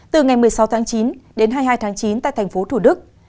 từ ngày một mươi sáu tháng chín đến hai mươi hai tháng chín tại tp thủ đức